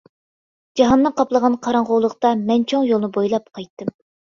جاھاننى قاپلىغان قاراڭغۇلۇقتا مەن چوڭ يولنى بويلاپ قايتتىم.